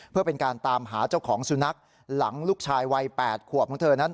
เพื่อเป็นการตามหาเจ้าของสุนัขหลังลูกชายวัย๘ขวบของเธอนั้น